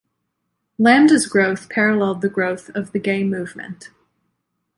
Lambda's growth paralleled the growth of the gay movement.